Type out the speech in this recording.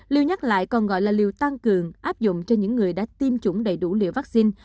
lưu nhắc lại còn gọi là liều tăng cường áp dụng cho những người đã tiêm chủng đầy đủ liều vaccine